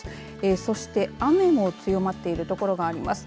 そして雨も強まっているところがあります。